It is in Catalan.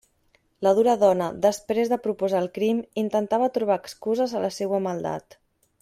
La dura dona, després de proposar el crim, intentava trobar excuses a la seua maldat.